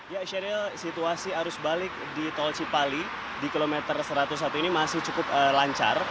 ya sheryl situasi arus balik di tol cipali di kilometer satu ratus satu ini masih cukup lancar